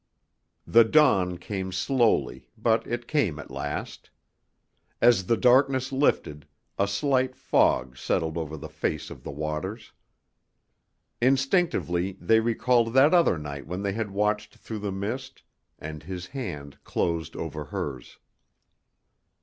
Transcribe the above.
The dawn came slowly, but it came at last. As the darkness lifted, a slight fog settled over the face of the waters. Instinctively they recalled that other night when they had watched through the mist and his hand closed over hers.